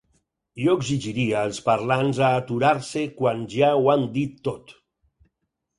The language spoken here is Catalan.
Jo exigiria els parlants a aturar-se quan ja ho han dit tot.